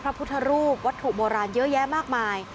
พระพุทธรูปวัตถุโบราณเยอะแยะมากมาย